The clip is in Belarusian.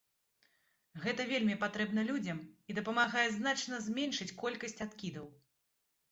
Гэта вельмі патрэбна людзям і дапамагае значна зменшыць колькасць адкідаў.